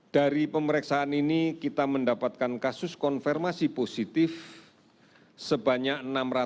dari pemeriksaan ini kita mendapatkan kasus konfirmasi positif sebanyak enam ratus sembilan puluh